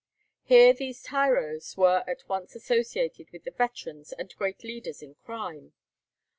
Here these tyros were at once associated with the veterans and great leaders in crime.